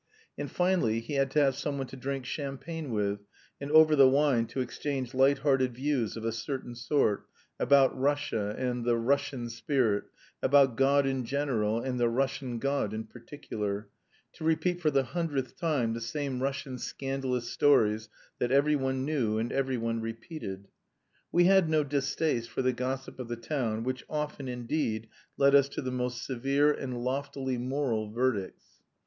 And finally he had to have someone to drink champagne with, and over the wine to exchange light hearted views of a certain sort, about Russia and the "Russian spirit," about God in general, and the "Russian God" in particular, to repeat for the hundredth time the same Russian scandalous stories that every one knew and every one repeated. We had no distaste for the gossip of the town which often, indeed, led us to the most severe and loftily moral verdicts.